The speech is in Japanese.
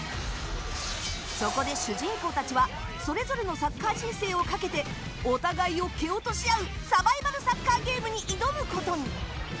そこで主人公たちはそれぞれのサッカー人生をかけてお互いを蹴落とし合うサバイバルサッカーゲームに挑むことに。